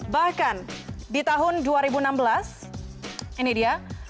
bahkan di tahun dua ribu enam belas ini dia